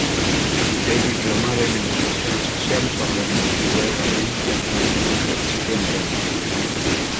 Es diplomada en Educación Social por la Universidad de Valencia, habiendo ejercido en Reus.